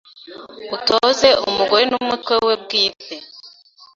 utoze umugoren’umwete we bwite